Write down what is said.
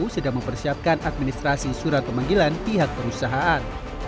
sedang mempersiapkan administrasi surat pemanggilan pihak perusahaan